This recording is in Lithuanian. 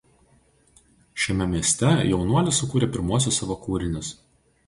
Šiame mieste jaunuolis sukūrė pirmuosius savo kūrinius.